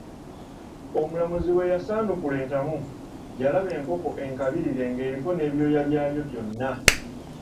Omulamuzi bwe yasanukula entamu, yalaba enkonko enkalirire ng'eriko ne byooya byayo byona!